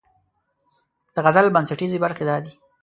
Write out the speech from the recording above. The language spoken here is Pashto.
د غزل بنسټیزې برخې دا دي: